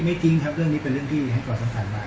จริงครับเรื่องนี้เป็นเรื่องที่ให้ความสำคัญมาก